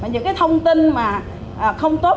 những cái thông tin mà không tốt